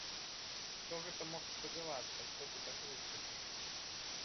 Хто гэта мог спадзявацца, што ты так выскачыш!